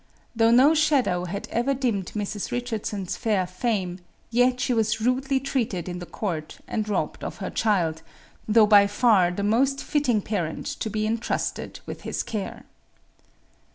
Though no shadow had ever dimmed Mrs. Richardson's fair fame, yet she was rudely treated in the court and robbed of her child, though by far the most fitting parent to be intrusted with his care.